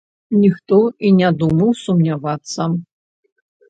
Ніхто і не думаў сумнявацца.